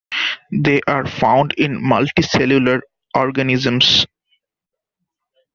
They are found in multicellular organisms.